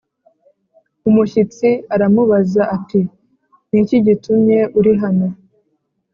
umushyitsi aramubaza ati Ni iki gitumye uri hano